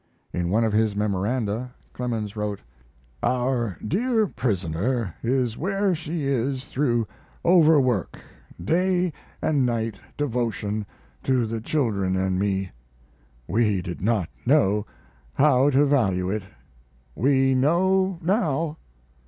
In one of his memoranda Clemens wrote: Our dear prisoner is where she is through overwork day & night devotion to the children & me. We did not know how to value it. We know now.